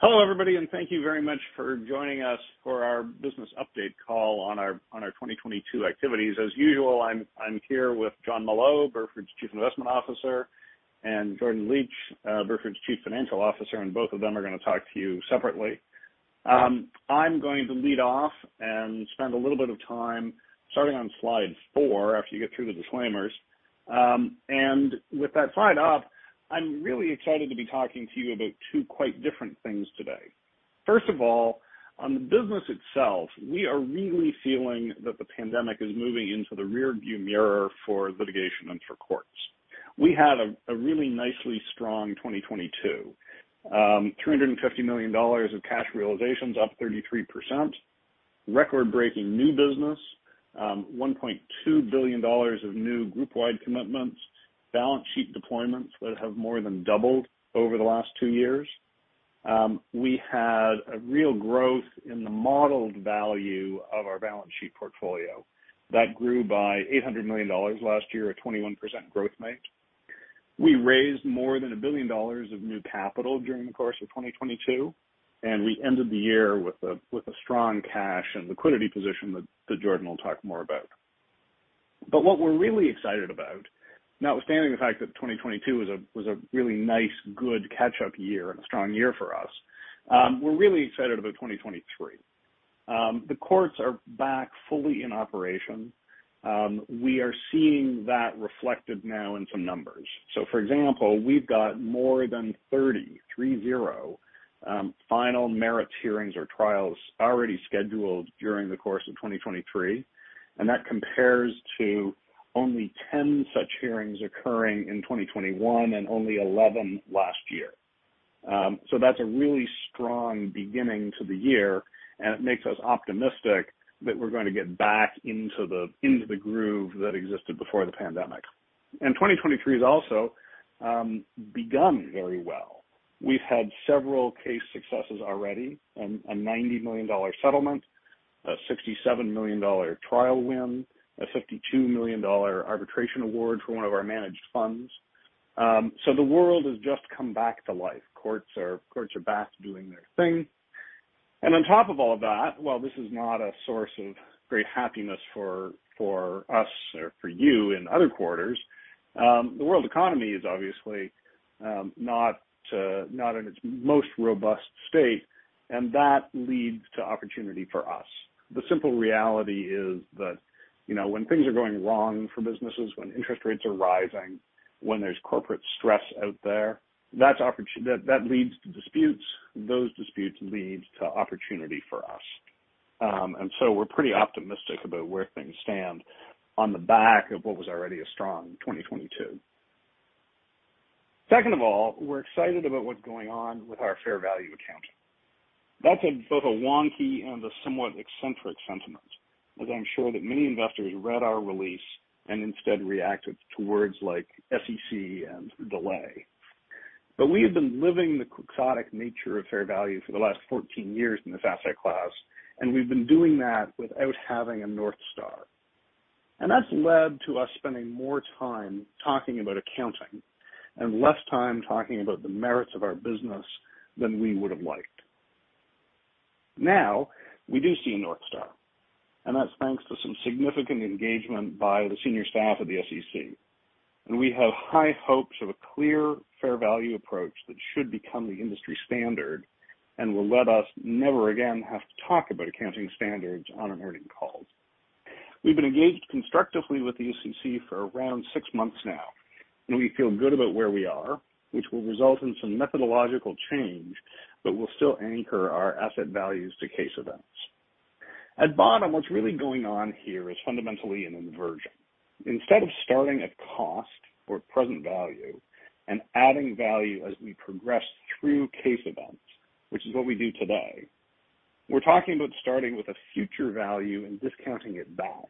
Hello, everybody, thank you very much for joining us for our business update call on our 2022 activities. As usual, I'm here with John Molot, Burford's Chief Investment Officer, and Jordan Licht, Burford's Chief Financial Officer, and both of them are gonna talk to you separately. I'm going to lead off and spend a little bit of time starting on slide four after you get through the disclaimers. With that slide up, I'm really excited to be talking to you about two quite different things today. First of all, on the business itself, we are really feeling that the pandemic is moving into the rearview mirror for litigation and for courts. We had a really nicely strong 2022. $350 million of cash realizations, up 33%. Record-breaking new business. $1.2 billion of new group-wide commitments. Balance sheet deployments that have more than doubled over the last two years. We had a real growth in the modeled value of our balance sheet portfolio. That grew by $800 million last year at 21% growth rate. We raised more than $1 billion of new capital during the course of 2022, and we ended the year with a strong cash and liquidity position that Jordan will talk more about. What we're really excited about, notwithstanding the fact that 2022 was a really nice, good catch-up year and a strong year for us, we're really excited about 2023. The courts are back fully in operation. We are seeing that reflected now in some numbers. For example, we've got more than 30 final merits hearings or trials already scheduled during the course of 2023, and that compares to only 10 such hearings occurring in 2021 and only 11 last year. That's a really strong beginning to the year, and it makes us optimistic that we're gonna get back into the groove that existed before the pandemic. 2023 has also begun very well. We've had several case successes already, a $90 million settlement, a $67 million trial win, a $52 million arbitration award for one of our managed funds. The world has just come back to life. Courts are back doing their thing. On top of all that, while this is not a source of great happiness for us or for you in other quarters, the world economy is obviously not in its most robust state, and that leads to opportunity for us. The simple reality is that, you know, when things are going wrong for businesses, when interest rates are rising, when there's corporate stress out there, that leads to disputes. Those disputes lead to opportunity for us. We're pretty optimistic about where things stand on the back of what was already a strong 2022. Second of all, we're excited about what's going on with our fair value accounting. That's a both a wonky and a somewhat eccentric sentiment, as I'm sure that many investors read our release and instead reacted to words like SEC and delay. We have been living the quixotic nature of fair value for the last 14 years in this asset class, and we've been doing that without having a North Star. That's led to us spending more time talking about accounting and less time talking about the merits of our business than we would've liked. Now, we do see a North Star, and that's thanks to some significant engagement by the senior staff of the SEC. We have high hopes of a clear, fair value approach that should become the industry standard and will let us never again have to talk about accounting standards on an earning call. We've been engaged constructively with the SEC for around six months now, and we feel good about where we are, which will result in some methodological change, but will still anchor our asset values to case events. At bottom, what's really going on here is fundamentally an inversion. Instead of starting at cost or present value and adding value as we progress through case events, which is what we do today, we're talking about starting with a future value and discounting it back,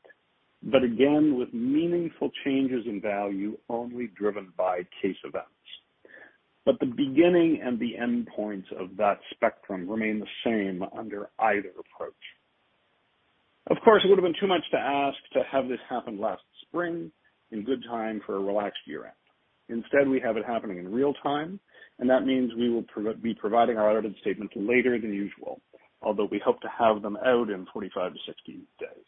but again with meaningful changes in value only driven by case events. The beginning and the end points of that spectrum remain the same under either approach. Of course, it would've been too much to ask to have this happen last spring in good time for a relaxed year-end. Instead, we have it happening in real time, and that means we will be providing our audited statements later than usual, although we hope to have them out in 45 to 60 days.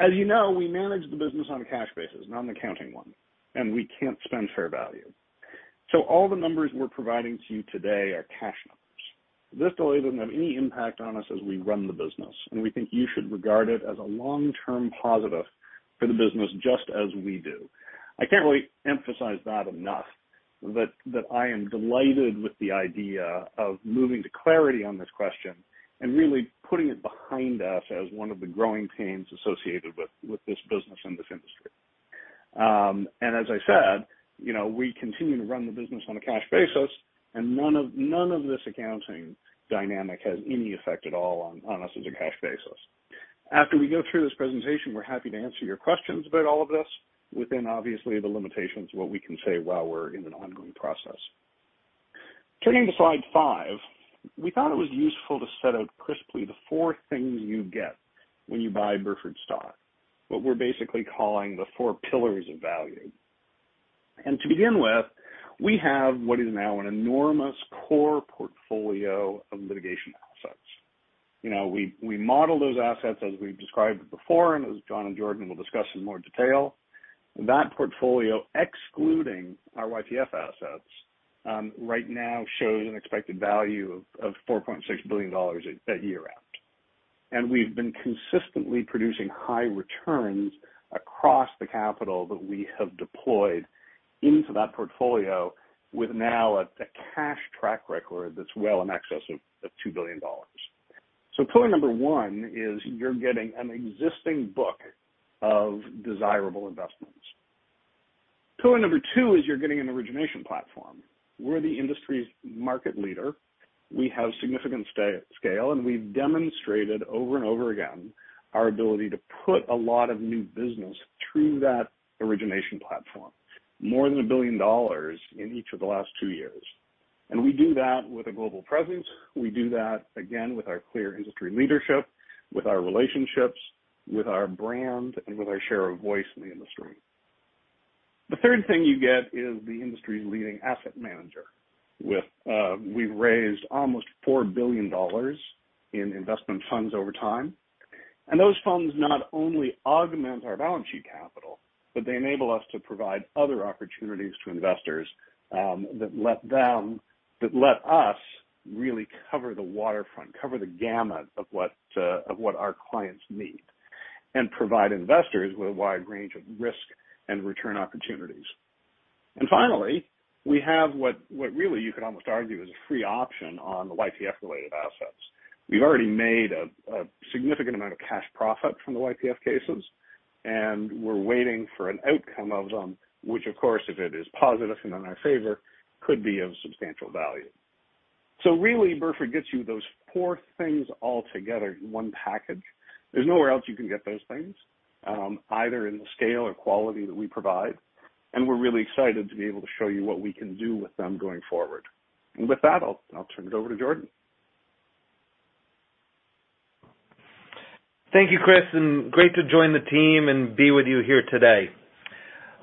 As you know, we manage the business on a cash basis, not an accounting one, and we can't spend fair value. All the numbers we're providing to you today are cash numbers. This delay doesn't have any impact on us as we run the business, and we think you should regard it as a long-term positive for the business just as we do. I can't really emphasize that enough that I am delighted with the idea of moving to clarity on this question and really putting it behind us as one of the growing pains associated with this business and this industry. As I said, you know, we continue to run the business on a cash basis, and none of this accounting dynamic has any effect at all on us as a cash basis. After we go through this presentation, we're happy to answer your questions about all of this within obviously the limitations of what we can say while we're in an ongoing process. Turning to slide five, we thought it was useful to set out crisply the four things you get when you buy Burford stock, what we're basically calling the four pillars of value. To begin with, we have what is now an enormous core portfolio of litigation assets. You know, we model those assets as we've described before, and as John and Jordan will discuss in more detail. That portfolio, excluding our YPF assets, right now shows an expected value of $4.6 billion at year-end. We've been consistently producing high returns across the capital that we have deployed into that portfolio with now a cash track record that's well in excess of $2 billion. Pillar number one is you're getting an existing book of desirable investments. Pillar number two is you're getting an origination platform. We're the industry's market leader. We have significant scale, and we've demonstrated over and over again our ability to put a lot of new business through that origination platform, more than $1 billion in each of the last two years. We do that with a global presence. We do that, again, with our clear industry leadership, with our relationships, with our brand, and with our share of voice in the industry. The third thing you get is the industry's leading asset manager with, we've raised almost $4 billion in investment funds over time. Those funds not only augment our balance sheet capital, but they enable us to provide other opportunities to investors, that let us really cover the waterfront, cover the gamut of what, of what our clients need and provide investors with a wide range of risk and return opportunities. Finally, we have what really you could almost argue is a free option on the YPF-related assets. We've already made a significant amount of cash profit from the YPF cases, and we're waiting for an outcome of them, which of course, if it is positive and in our favor, could be of substantial value. Really, Burford gets you those four things all together in one package. There's nowhere else you can get those things, either in the scale or quality that we provide, and we're really excited to be able to show you what we can do with them going forward. With that, I'll turn it over to Jordan. Thank you, Chris, and great to join the team and be with you here today.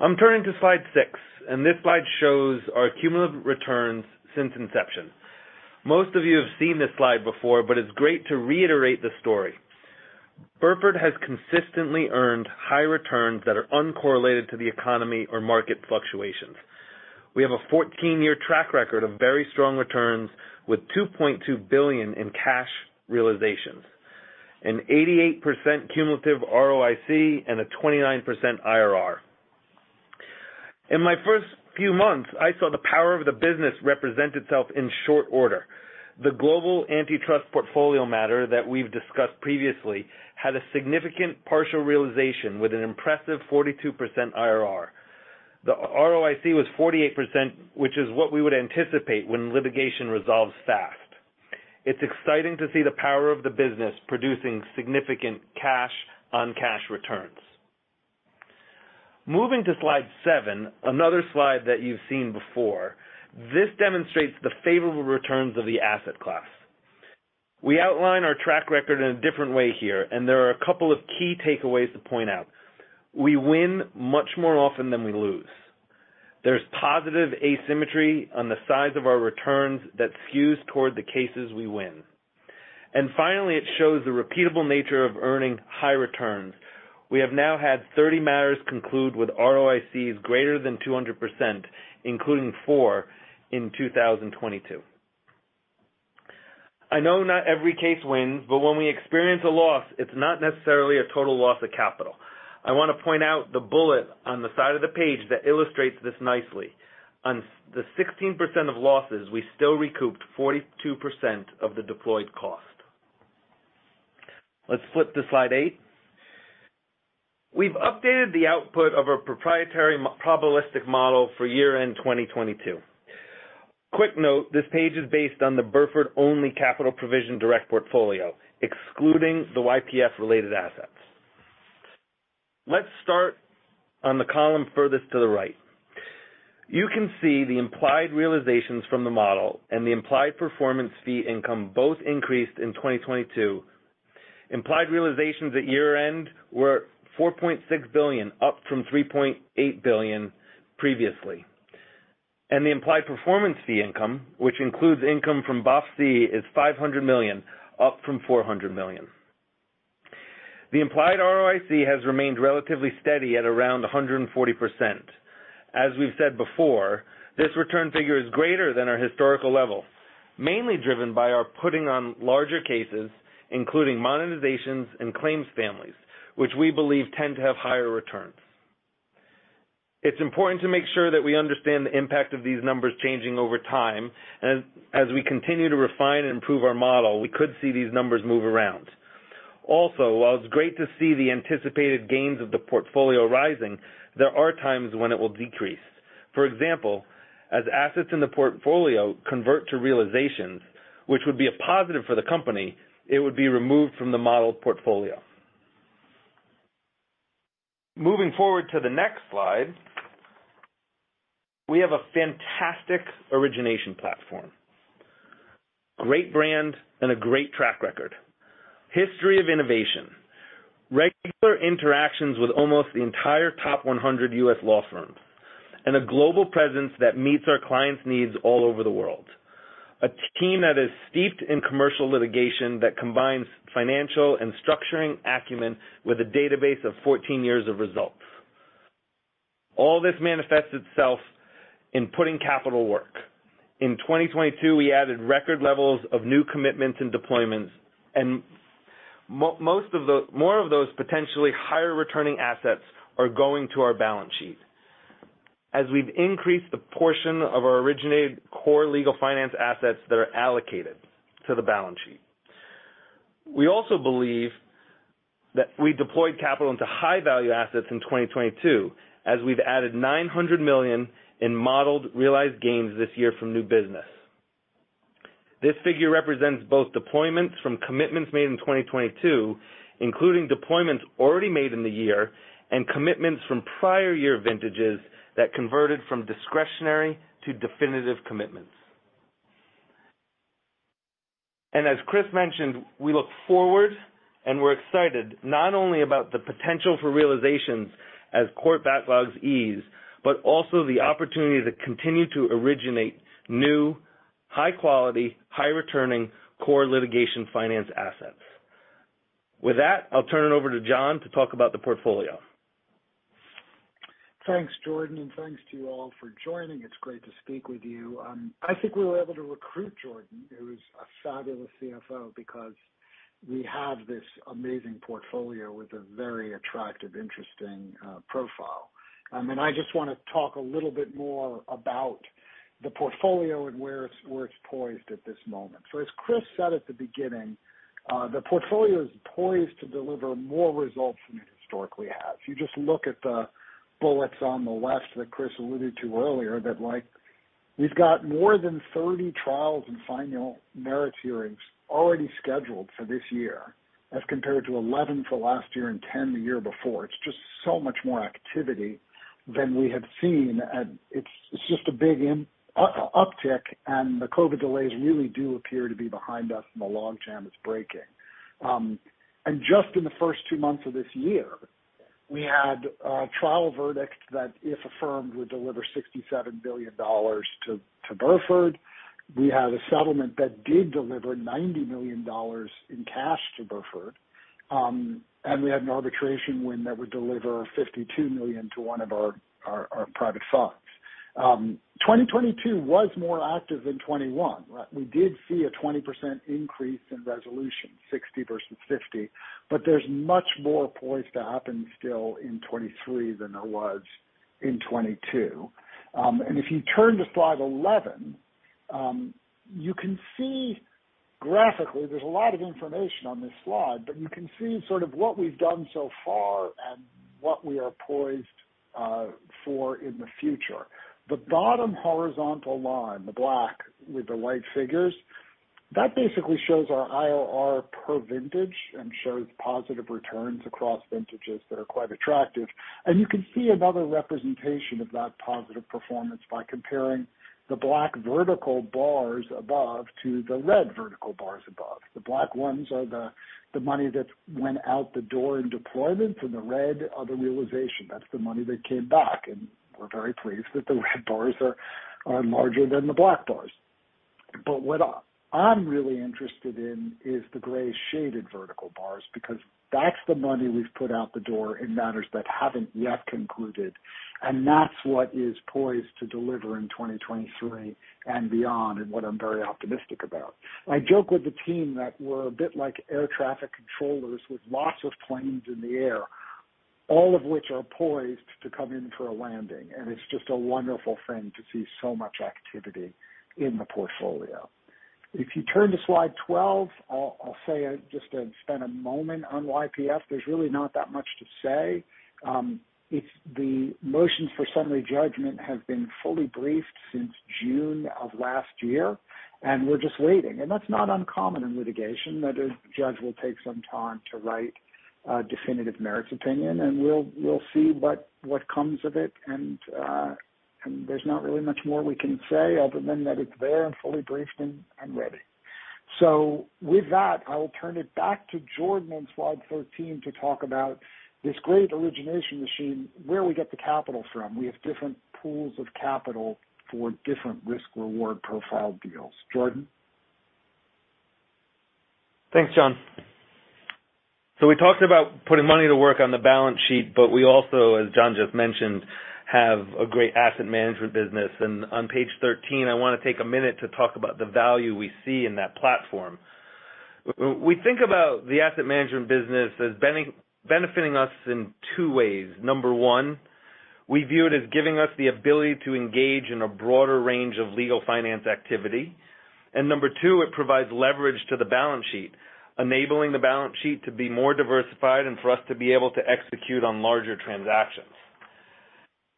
I'm turning to slide six, and this slide shows our cumulative returns since inception. Most of you have seen this slide before, but it's great to reiterate the story. Burford Capital has consistently earned high returns that are uncorrelated to the economy or market fluctuations. We have a 14 year track record of very strong returns with $2.2 billion in cash realizations, an 88% cumulative ROIC and a 29% IRR. In my first few months, I saw the power of the business represent itself in short order. The global antitrust portfolio matter that we've discussed previously had a significant partial realization with an impressive 42% IRR. The ROIC was 48%, which is what we would anticipate when litigation resolves fast. It's exciting to see the power of the business producing significant cash on cash returns. Moving to slide seven, another slide that you've seen before. This demonstrates the favorable returns of the asset class. We outline our track record in a different way here, and there are a couple of key takeaways to point out. We win much more often than we lose. There's positive asymmetry on the size of our returns that skews toward the cases we win. Finally, it shows the repeatable nature of earning high returns. We have now had 30 matters conclude with ROICs greater than 200%, including four in 2022. I know not every case wins, but when we experience a loss, it's not necessarily a total loss of capital. I wanna point out the bullet on the side of the page that illustrates this nicely. On the 16% of losses, we still recouped 42% of the deployed cost. Let's flip to slide eight. We've updated the output of our proprietary probabilistic model for year-end 2022. Quick note, this page is based on the Burford-only capital provision-direct portfolio, excluding the YPF-related assets. Let's start on the column furthest to the right. You can see the implied realizations from the model and the implied performance fee income both increased in 2022. Implied realizations at year-end were $4.6 billion, up from $3.8 billion previously. The implied performance fee income, which includes income from BOFC, is $500 million, up from $400 million. The implied ROIC has remained relatively steady at around 140%. As we've said before, this return figure is greater than our historical level, mainly driven by our putting on larger cases, including monetizations and claims families, which we believe tend to have higher returns. It's important to make sure that we understand the impact of these numbers changing over time. As we continue to refine and improve our model, we could see these numbers move around. While it's great to see the anticipated gains of the portfolio rising, there are times when it will decrease. For example, as assets in the portfolio convert to realizations, which would be a positive for the company, it would be removed from the model portfolio. Moving forward to the next slide, we have a fantastic origination platform. Great brand and a great track record. History of innovation. Regular interactions with almost the entire top 100 U.S. law firms, and a global presence that meets our clients' needs all over the world. A team that is steeped in commercial litigation that combines financial and structuring acumen with a database of 14 years of results. All this manifests itself in putting capital work. In 2022, we added record levels of new commitments and deployments, and more of those potentially higher returning assets are going to our balance sheet. As we've increased the portion of our originated core legal finance assets that are allocated to the balance sheet. We also believe that we deployed capital into high-value assets in 2022, as we've added $900 million in modeled realized gains this year from new business. This figure represents both deployments from commitments made in 2022, including deployments already made in the year, and commitments from prior year vintages that converted from discretionary to definitive commitments. As Chris mentioned, we look forward, and we're excited not only about the potential for realizations as court backlogs ease, but also the opportunity to continue to originate new, high quality, high returning core litigation finance assets. With that, I'll turn it over to John to talk about the portfolio. Thanks, Jordan. Thanks to you all for joining. It's great to speak with you. I think we were able to recruit Jordan, who's a fabulous CFO because we have this amazing portfolio with a very attractive, interesting profile. I just wanna talk a little bit more about the portfolio and where it's poised at this moment. As Chris said at the beginning, the portfolio is poised to deliver more results than it historically has. You just look at the bullets on the left that Chris alluded to earlier that like we've got more than 30 trials and final merits hearings already scheduled for this year, as compared to 11 for last year and 10 the year before. It's just so much more activity than we have seen. It's just a big uptick. The COVID delays really do appear to be behind us. The logjam is breaking. Just in the first two months of this year, we had a trial verdict that, if affirmed, would deliver $67 billion to Burford. We had a settlement that did deliver $90 million in cash to Burford. We had an arbitration win that would deliver $52 million to one of our private funds. 2022 was more active than 2021, right? We did see a 20% increase in resolution, 60 versus 50. There's much more poised to happen still in 2023 than there was in 2022. If you turn to slide 11, you can see graphically, there's a lot of information on this slide, but you can see sort of what we've done so far and what we are poised for in the future. The bottom horizontal line, the black with the white figures, that basically shows our IRR per vintage and shows positive returns across vintages that are quite attractive. You can see another representation of that positive performance by comparing the black vertical bars above to the red vertical bars above. The black ones are the money that's went out the door in deployments, and the red are the realization. That's the money that came back, and we're very pleased that the red bars are larger than the black bars. What I'm really interested in is the gray shaded vertical bars because that's the money we've put out the door in matters that haven't yet concluded, and that's what is poised to deliver in 2023 and beyond and what I'm very optimistic about. I joke with the team that we're a bit like air traffic controllers with lots of planes in the air, all of which are poised to come in for a landing, and it's just a wonderful thing to see so much activity in the portfolio. If you turn to slide 12, I'll say just to spend a moment on YPF. There's really not that much to say. It's the motions for summary judgment have been fully briefed since June of last year, and we're just waiting. That's not uncommon in litigation, that a judge will take some time to write a definitive merits opinion, we'll see what comes of it. There's not really much more we can say other than that it's there and fully briefed and ready. With that, I will turn it back to Jordan Licht on slide 13 to talk about this great origination machine, where we get the capital from. We have different pools of capital for different risk-reward profile deals. Jordan Licht? Thanks, John. We talked about putting money to work on the balance sheet, but we also, as John just mentioned, have a great asset management business. On page 13, I want to take a minute to talk about the value we see in that platform. We think about the asset management business as benefiting us in two ways. Number one, we view it as giving us the ability to engage in a broader range of legal finance activity. Number two, it provides leverage to the balance sheet, enabling the balance sheet to be more diversified and for us to be able to execute on larger transactions.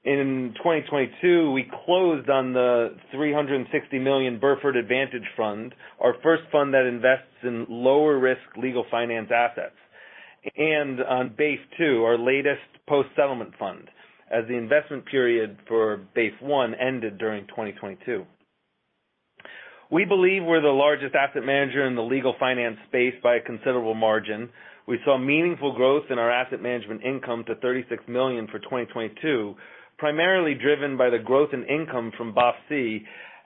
In 2022, we closed on the $360 million Burford Advantage Fund, our first fund that invests in lower risk legal finance assets. On Base two, our latest post-settlement fund, as the investment period for Base one ended during 2022. We believe we're the largest asset manager in the legal finance space by a considerable margin. We saw meaningful growth in our asset management income to $36 million for 2022, primarily driven by the growth in income from BOFC,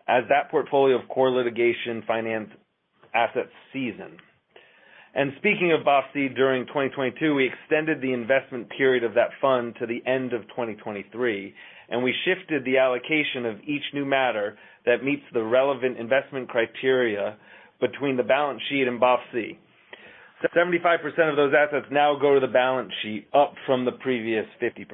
as that portfolio of core litigation finance assets season. Speaking of BOFC, during 2022, we extended the investment period of that fund to the end of 2023, and we shifted the allocation of each new matter that meets the relevant investment criteria between the balance sheet and BOFC. 75% of those assets now go to the balance sheet, up from the previous 50%.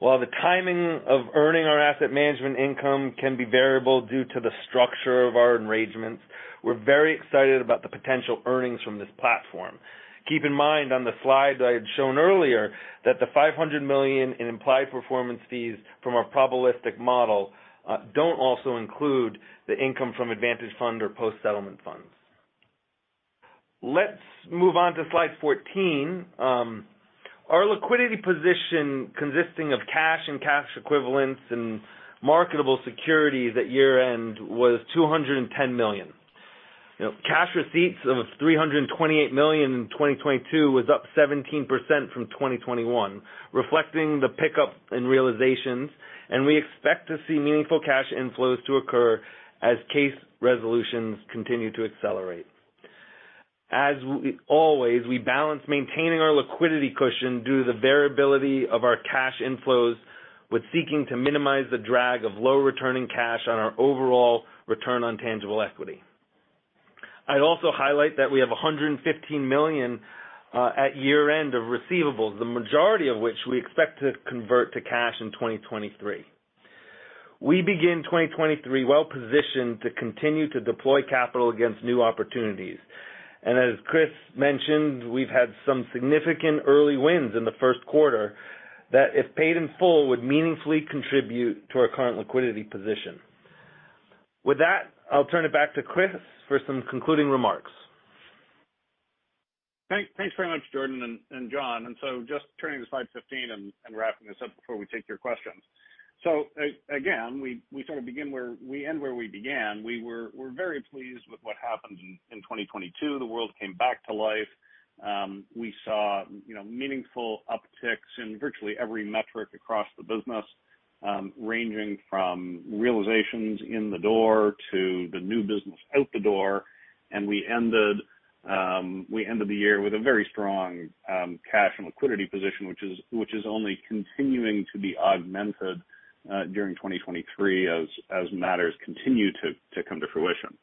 While the timing of earning our asset management income can be variable due to the structure of our engagements, we're very excited about the potential earnings from this platform. Keep in mind, on the slide that I had shown earlier, that the $500 million in implied performance fees from our probabilistic model, don't also include the income from Advantage Fund or post-settlement funds. Let's move on to slide 14. Our liquidity position consisting of cash and cash equivalents and marketable securities at year-end was $210 million. You know, cash receipts of $328 million in 2022 was up 17% from 2021, reflecting the pickup in realizations. We expect to see meaningful cash inflows to occur as case resolutions continue to accelerate. As always, we balance maintaining our liquidity cushion due to the variability of our cash inflows with seeking to minimize the drag of low returning cash on our overall return on tangible equity. I'd also highlight that we have $115 million at year-end of receivables, the majority of which we expect to convert to cash in 2023. We begin 2023 well positioned to continue to deploy capital against new opportunities. As Chris mentioned, we've had some significant early wins in the first quarter that, if paid in full, would meaningfully contribute to our current liquidity position. With that, I'll turn it back to Chris for some concluding remarks. Thanks very much, Jordan and John. Just turning to slide 15 and wrapping this up before we take your questions. Again, we sort of begin where we end where we began. We're very pleased with what happened in 2022. The world came back to life. We saw, you know, meaningful upticks in virtually every metric across the business, ranging from realizations in the door to the new business out the door. We ended the year with a very strong cash and liquidity position, which is only continuing to be augmented during 2023 as matters continue to come to fruition.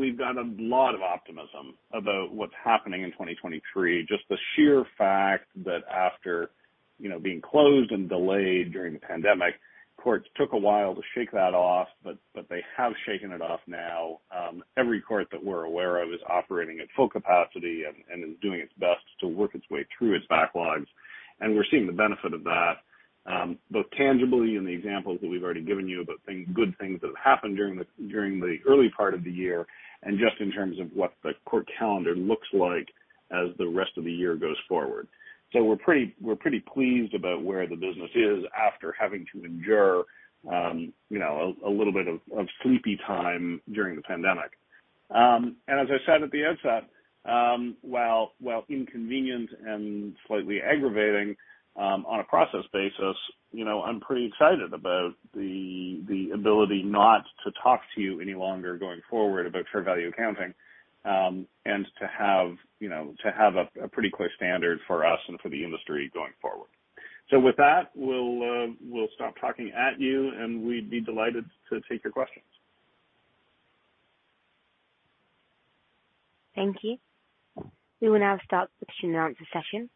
We've got a lot of optimism about what's happening in 2023. Just the sheer fact that after, you know, being closed and delayed during the pandemic, courts took a while to shake that off, they have shaken it off now. Every court that we're aware of is operating at full capacity and is doing its best to work its way through its backlogs. We're seeing the benefit of that, both tangibly in the examples that we've already given you about good things that have happened during the early part of the year, and just in terms of what the court calendar looks like as the rest of the year goes forward. We're pretty pleased about where the business is after having to endure, you know, a little bit of sleepy time during the pandemic. As I said at the outset, while inconvenienced and slightly aggravating, on a process basis, you know, I'm pretty excited about the ability not to talk to you any longer going forward about fair value accounting, and to have, you know, to have a pretty clear standard for us and for the industry going forward. With that, we'll stop talking at you, and we'd be delighted to take your questions. Thank you. We will now start the question and answer session.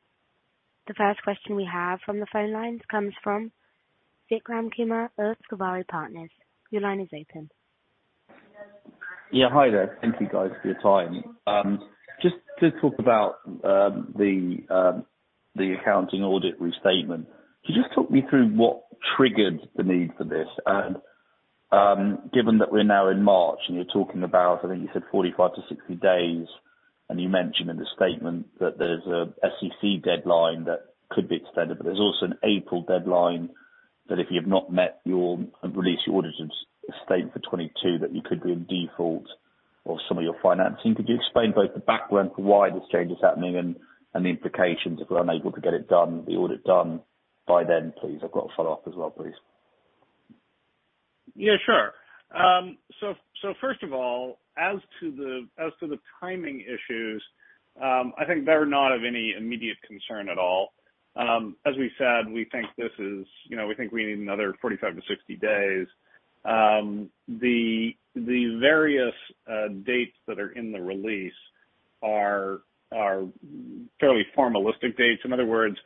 The first question we have from the phone lines comes from Vikram Kumar of Kuvari Partners. Your line is open. Yeah. Hi there. Thank you guys for your time. just to talk about the accounting audit restatement. Could you just talk me through what triggered the need for this? given that we're now in March and you're talking about, I think you said 45-60 days, and you mentioned in the statement that there's a SEC deadline that could be extended, but there's also an April deadline that if you have not met your release, your audit statement for 2022, that you could be in default of some of your financing. Could you explain both the background for why this change is happening and the implications if we're unable to get it done, the audit done by then, please? I've got a follow-up as well, please. Yeah, sure. First of all, as to the timing issues, I think they're not of any immediate concern at all. As we said, you know, we think we need another 45-60 days. The various dates that are in the release are fairly formalistic dates. In other words,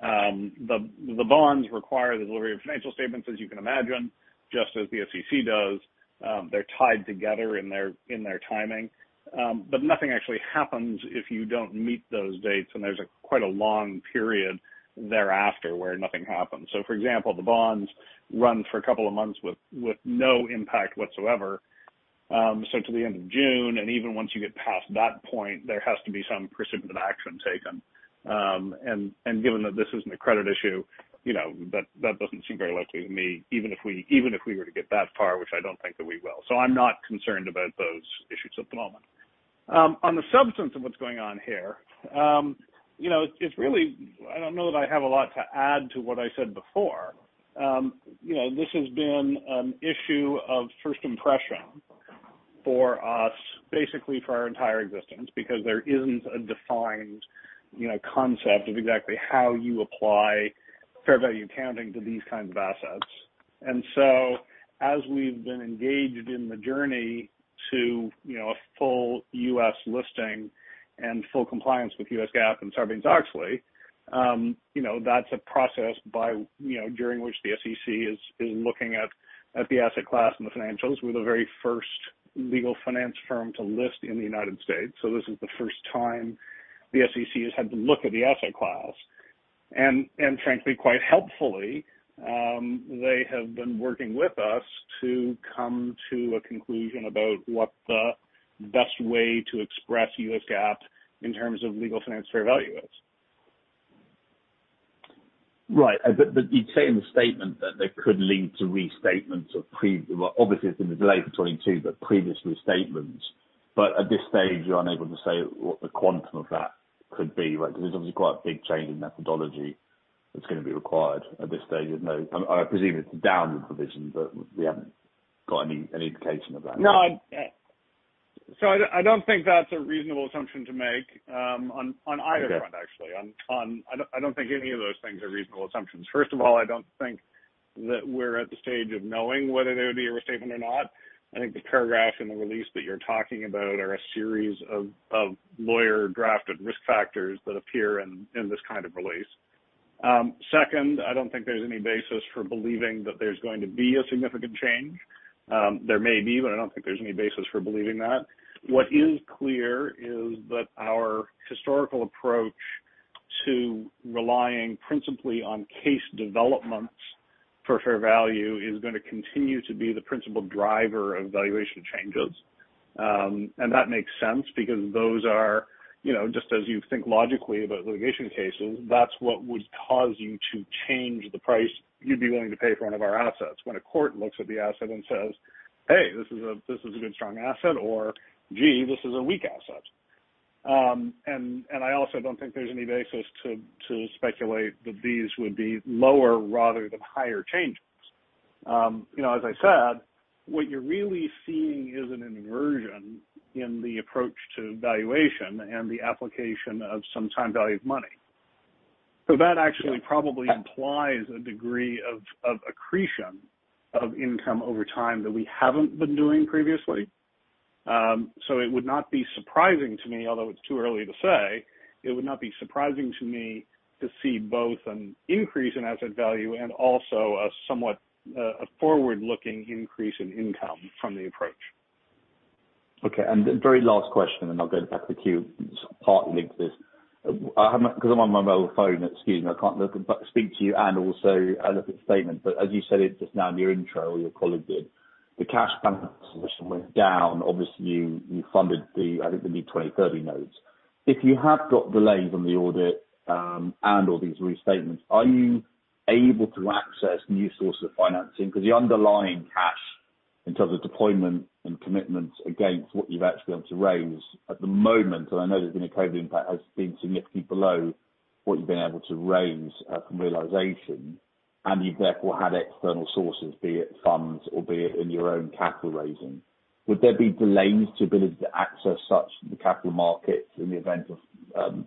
the bonds require the delivery of financial statements, as you can imagine, just as the SEC does. They're tied together in their timing. Nothing actually happens if you don't meet those dates, and there's a quite a long period thereafter where nothing happens. For example, the bonds run for a couple of months with no impact whatsoever. to the end of June, and even once you get past that point, there has to be some precipitant action taken. given that this isn't a credit issue, you know, that doesn't seem very likely to me, even if we were to get that far, which I don't think that we will. I'm not concerned about those issues at the moment. on the substance of what's going on here, you know, I don't know that I have a lot to add to what I said before. You know, this has been an issue of first impression for us, basically for our entire existence, because there isn't a defined, you know, concept of exactly how you apply fair value accounting to these kinds of assets. As we've been engaged in the journey to, you know, a full US listing and full compliance with US GAAP and Sarbanes-Oxley, you know, that's a process by, you know, during which the SEC is looking at the asset class and the financials. We're the very first legal finance firm to list in the United States. This is the first time the SEC has had to look at the asset class. Frankly, quite helpfully, they have been working with us to come to a conclusion about what the best way to express US GAAP in terms of legal finance fair value is. Right. You say in the statement that they could lead to restatements of previous restatements. Well, obviously, it's been delayed for 22. At this stage, you're unable to say what the quantum of that could be, right? There's obviously quite a big change in methodology that's gonna be required at this stage. I presume it's a downward provision, but we haven't got any indication of that. No, I don't think that's a reasonable assumption to make, on either front, actually. Okay. I don't think any of those things are reasonable assumptions. First of all, I don't think that we're at the stage of knowing whether there would be a restatement or not. I think the paragraph in the release that you're talking about are a series of lawyer-drafted risk factors that appear in this kind of release. Second, I don't think there's any basis for believing that there's going to be a significant change. There may be, but I don't think there's any basis for believing that. What is clear is that our historical approach to relying principally on case developments for fair value is gonna continue to be the principal driver of valuation changes. That makes sense because those are, you know, just as you think logically about litigation cases, that's what would cause you to change the price you'd be willing to pay for one of our assets. When a court looks at the asset and says, "Hey, this is a good, strong asset," or, "Gee, this is a weak asset." I also don't think there's any basis to speculate that these would be lower rather than higher changes. You know, as I said, what you're really seeing is an inversion in the approach to valuation and the application of some time value of money. That actually probably implies a degree of accretion of income over time that we haven't been doing previously. It would not be surprising to me, although it's too early to say, it would not be surprising to me to see both an increase in asset value and also a somewhat, a forward-looking increase in income from the approach. The very last question, and I'll go back to the queue, partly links this. I'm on my mobile phone, excuse me, I can't look, but speak to you and also look at the statement. As you said it just now in your intro, or your colleague did, the cash balance went down. Obviously, you funded the, I think, the new 2030 notes. If you have got delays on the audit, and/or these restatements, are you able to access new sources of financing? Because the underlying cash in terms of deployment and commitments against what you've actually been able to raise at the moment, and I know there's been a COVID impact, has been significantly below what you've been able to raise from realization, and you've therefore had external sources, be it funds or be it in your own capital raising. Would there be delays to ability to access such the capital markets in the event of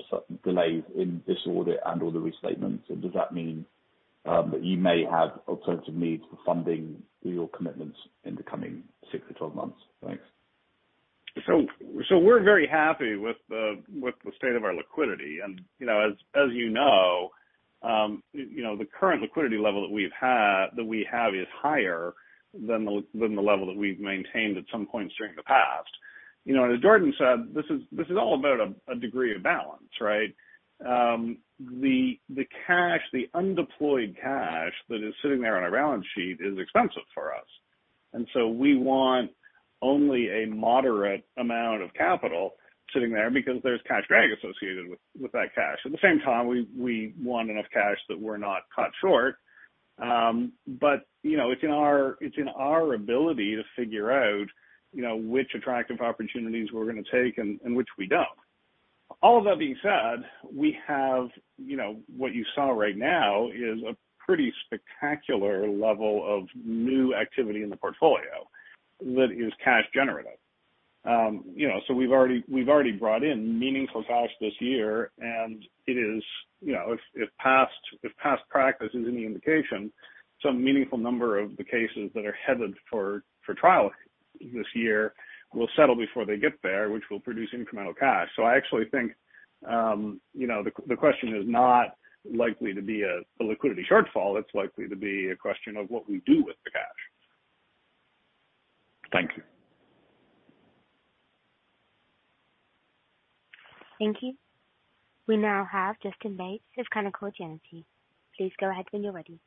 certain delays in this audit and/or the restatements? Does that mean that you may have alternative needs for funding your commitments in the coming six to 12 months? Thanks. We're very happy with the state of our liquidity. You know, as you know, the current liquidity level that we've had, that we have is higher than the level that we've maintained at some points during the past. You know, as Jordan said, this is all about a degree of balance, right? The cash, the undeployed cash that is sitting there on our balance sheet is expensive for us. We want only a moderate amount of capital sitting there because there's cash drag associated with that cash. At the same time, we want enough cash that we're not caught short. You know, it's in our ability to figure out, you know, which attractive opportunities we're gonna take and which we don't. All of that being said, we have, you know, what you saw right now is a pretty spectacular level of new activity in the portfolio that is cash generative. You know, we've already brought in meaningful cash this year, and it is, you know, if past practice is any indication, some meaningful number of the cases that are headed for trial this year will settle before they get there, which will produce incremental cash. I actually think, you know, the question is not likely to be a liquidity shortfall. It's likely to be a question of what we do with the cash. Thank you. Thank you. We now have Justin Bates of Canaccord Genuity. Please go ahead when you're ready.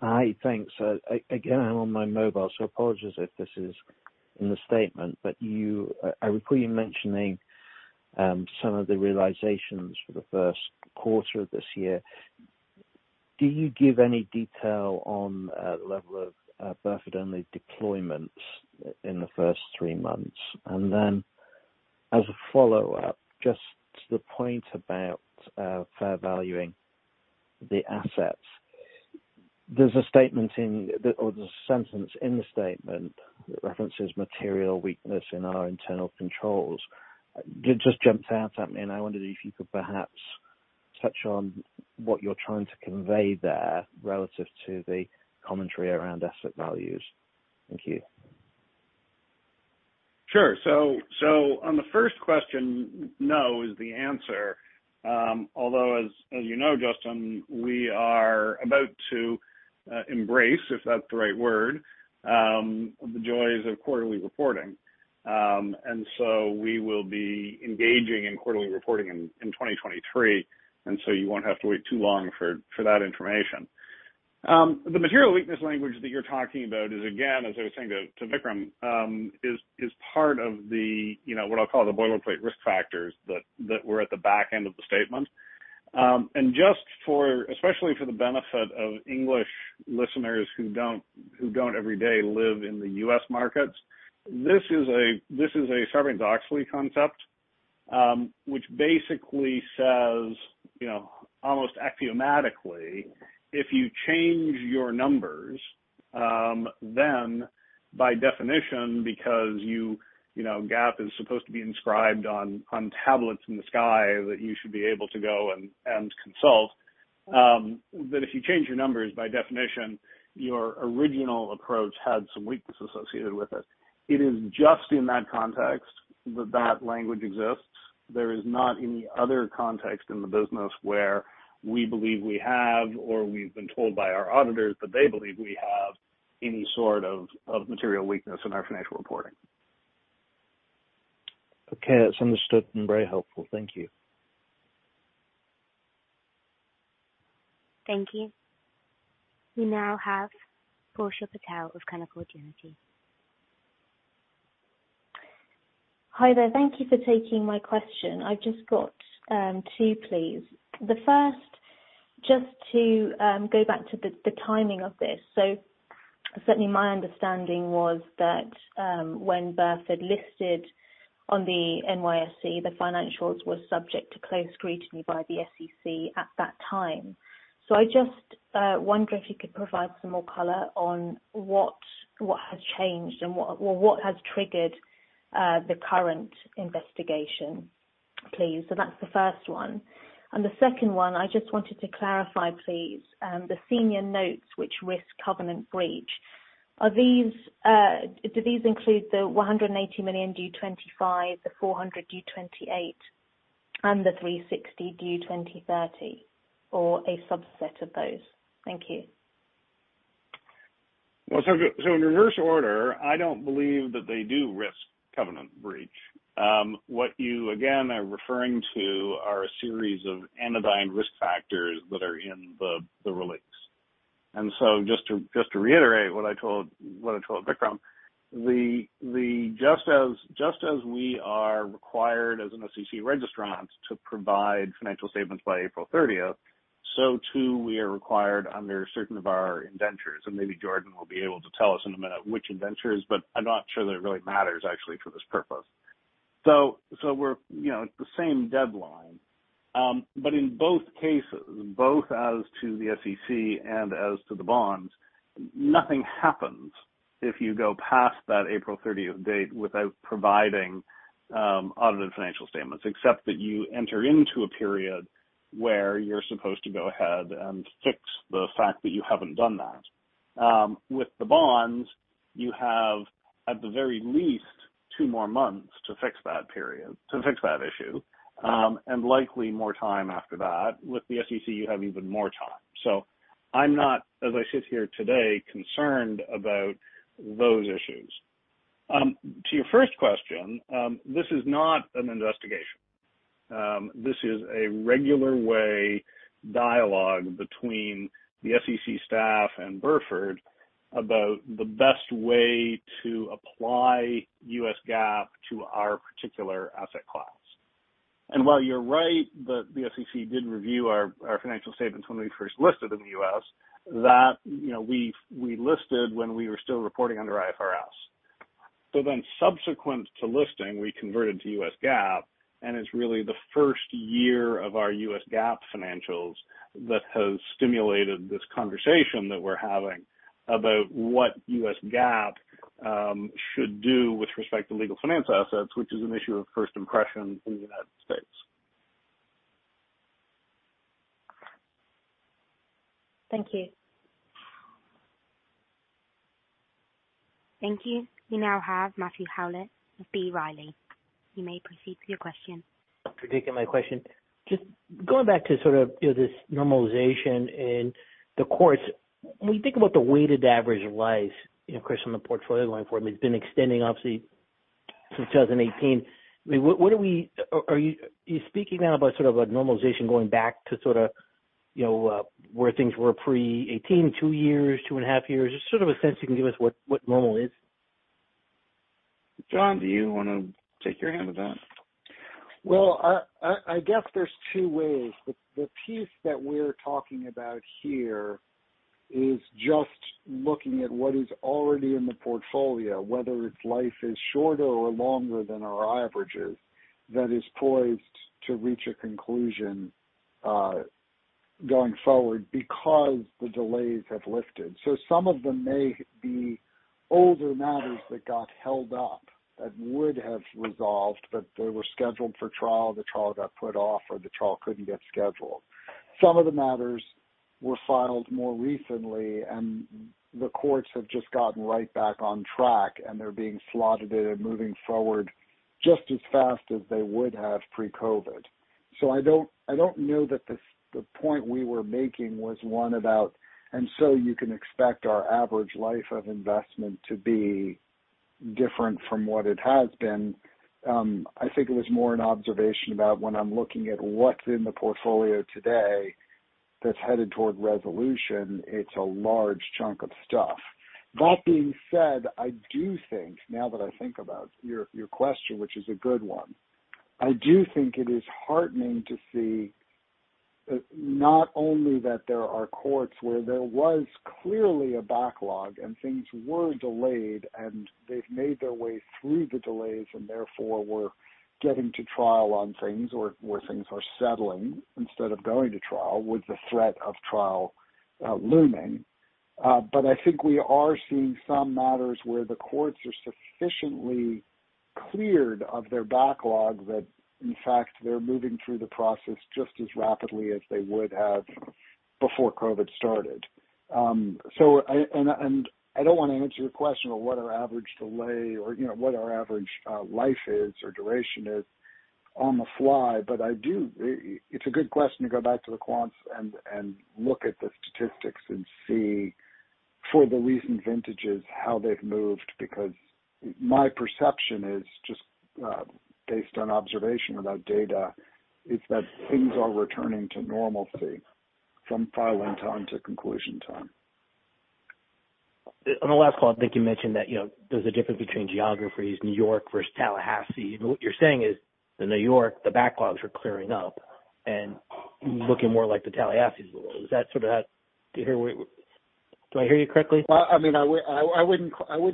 Hi, thanks. Again, I'm on my mobile, so apologies if this is in the statement, I recall you mentioning some of the realizations for the first quarter of this year. Do you give any detail on the level of Burford-only deployments in the first three months? As a follow-up, just the point about fair valuing the assets. There's a sentence in the statement that references material weakness in our internal controls. It just jumped out at me, I wondered if you could perhaps touch on what you're trying to convey there relative to the commentary around asset values. Thank you. Sure. On the first question, no is the answer. Although, as you know, Justin, we are about to embrace, if that's the right word, the joys of quarterly reporting. We will be engaging in quarterly reporting in 2023, and so you won't have to wait too long for that information. The material weakness language that you're talking about is, again, as I was saying to Vikram, is part of the, you know, what I'll call the boilerplate risk factors that were at the back end of the statement. Just for, especially for the benefit of English listeners who don't, who don't every day live in the U.S. markets, this is a Sarbanes-Oxley concept, which basically says, you know, almost axiomatically, if you change your numbers, then by definition, because you know, GAAP is supposed to be inscribed on tablets in the sky, that you should be able to go and consult, that if you change your numbers, by definition, your original approach had some weakness associated with it. It is just in that context that that language exists. There is not any other context in the business where we believe we have, or we've been told by our auditors that they believe we have any sort of material weakness in our financial reporting. Okay, that's understood and very helpful. Thank you. Thank you. We now have Portia Patel with Canaccord Genuity. Hi there. Thank you for taking my question. I've just got two, please. First, just to go back to the timing of this. Certainly my understanding was that when Burford listed on the NYSE, the financials were subject to close scrutiny by the SEC at that time. I just wonder if you could provide some more color on what has changed and what has triggered the current investigation, please. That's the first one. The second one, I just wanted to clarify, please, the senior notes which risk covenant breach. Are these, do these include the $180 million due 2025, the $400 million due 2028, and the $360 million due 2030, or a subset of those? Thank you. Well, in reverse order, I don't believe that they do risk covenant breach. What you again are referring to are a series of anodyne risk factors that are in the release. Just to reiterate what I told Vikram, just as we are required as an SEC registrant to provide financial statements by April 30th, so too we are required under certain of our indentures, and maybe Jordan will be able to tell us in a minute which indentures, I'm not sure that it really matters actually for this purpose. We're, you know, at the same deadline. In both cases, both as to the SEC and as to the bonds, nothing happens if you go past that April 30th date without providing audited financial statements, except that you enter into a period where you're supposed to go ahead and fix the fact that you haven't done that. With the bonds, you have, at the very least, two more months to fix that period, to fix that issue, and likely more time after that. With the SEC, you have even more time. I'm not, as I sit here today, concerned about those issues. To your first question, this is not an investigation. This is a regular way dialogue between the SEC staff and Burford about the best way to apply US GAAP to our particular asset class. While you're right that the SEC did review our financial statements when we first listed in the U.S., that, you know, we listed when we were still reporting under IFRS. Subsequent to listing, we converted to U.S. GAAP, and it's really the first year of our U.S. GAAP financials that has stimulated this conversation that we're having about what U.S. GAAP should do with respect to legal finance assets, which is an issue of first impression in the United States. Thank you. Thank you. We now have Matthew Howlett of B. Riley. You may proceed with your question. predicting my question. Just going back to sort of, you know, this normalization in the courts. When you think about the weighted average life, you know, Chris, from the portfolio line form, it's been extending obviously since 2018. I mean, what are you speaking now about sort of a normalization going back to sorta, you know, where things were pre 2018, two years, two and a half years? Just sort of a sense you can give us what normal is? John, do you wanna take your hand at that? Well, I guess there's two ways. The piece that we're talking about here is just looking at what is already in the portfolio, whether its life is shorter or longer than our averages, that is poised to reach a conclusion going forward because the delays have lifted. Some of them may be older matters that got held up that would have resolved, but they were scheduled for trial, the trial got put off, or the trial couldn't get scheduled. Some of the matters were filed more recently, and the courts have just gotten right back on track, and they're being slotted in and moving forward just as fast as they would have pre-COVID. I don't know that the point we were making was one about, you can expect our average life of investment to be different from what it has been. I think it was more an observation about when I'm looking at what's in the portfolio today that's headed toward resolution, it's a large chunk of stuff. That being said, I do think, now that I think about your question, which is a good one, I do think it is heartening to see, not only that there are courts where there was clearly a backlog and things were delayed, and they've made their way through the delays and therefore were getting to trial on things or where things are settling instead of going to trial with the threat of trial, looming. I think we are seeing some matters where the courts are sufficiently cleared of their backlog that in fact, they're moving through the process just as rapidly as they would have before COVID started. I don't wanna answer your question on what our average delay or, you know, what our average life is or duration is on the fly, but it's a good question to go back to the quants and look at the statistics and see for the recent vintages how they've moved, because my perception is, just, based on observation about data, is that things are returning to normalcy from filing time to conclusion time. On the last call, I think you mentioned that, you know, there's a difference between geographies, New York versus Tallahassee. What you're saying is, in New York the backlogs are clearing up and looking more like the Tallahassee's load. Did I hear you correctly? Well, I mean, I wouldn't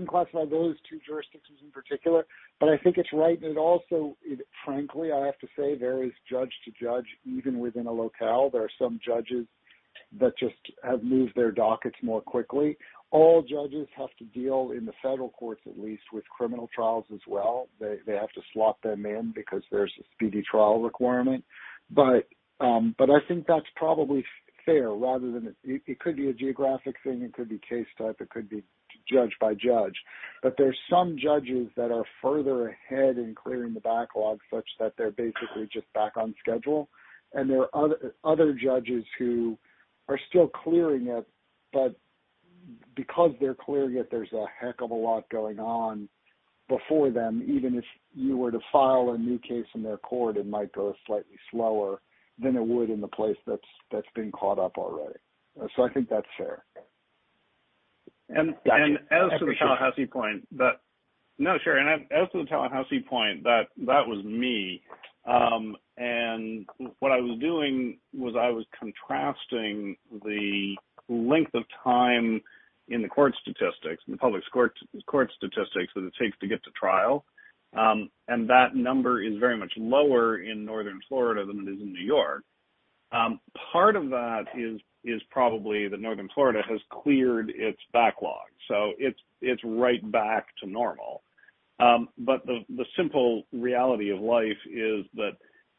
classify those two jurisdictions in particular, but I think it's right. It also, it frankly, I have to say, varies judge to judge, even within a locale. There are some judges that just have moved their dockets more quickly. All judges have to deal, in the federal courts at least, with criminal trials as well. They have to slot them in because there's a speedy trial requirement. I think that's probably fair rather than it. It could be a geographic thing, it could be case type, it could be judge by judge. There's some judges that are further ahead in clearing the backlog such that they're basically just back on schedule. There are other judges who are still clearing it, but because they're clearing it, there's a heck of a lot going on before them. Even if you were to file a new case in their court, it might go slightly slower than it would in the place that's been caught up already. I think that's fair. As to the Tallahassee point, that was me. What I was doing was I was contrasting the length of time in the court statistics, in the public court statistics that it takes to get to trial. That number is very much lower in Northern Florida than it is in New York. Part of that is probably that Northern Florida has cleared its backlog, so it's right back to normal. The simple reality of life is that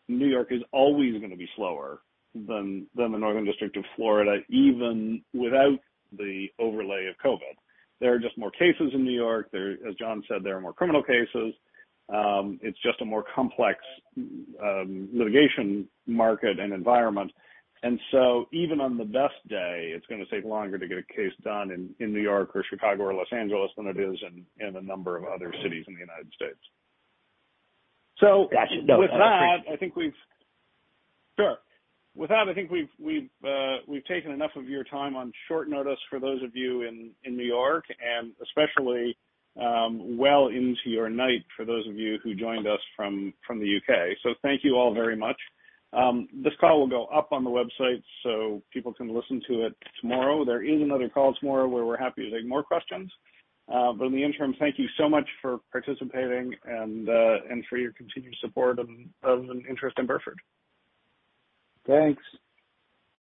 New York is always gonna be slower than the Northern District of Florida, even without the overlay of COVID. There are just more cases in New York. As John said, there are more criminal cases. It's just a more complex litigation market and environment. Even on the best day, it's going to take longer to get a case done in New York or Chicago or Los Angeles than it is in a number of other cities in the United States. So Gotcha. No, I appreciate With that, I think we've Sure. With that, I think we've taken enough of your time on short notice for those of you in New York and especially, well into your night for those of you who joined us from the UK. Thank you all very much. This call will go up on the website so people can listen to it tomorrow. There is another call tomorrow where we're happy to take more questions. In the interim, thank you so much for participating and for your continued support of an interest in Burford. Thanks.